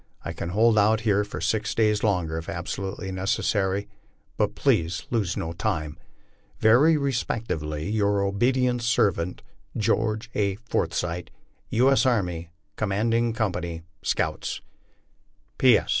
I can hold out here for six days longer, if absolutely necessary, but please lose no time. Very respectfully, your obedient servant, (Signed) GEORGE A. FORSYTH, U. S. Army, Commanding Co. Scouts P. S.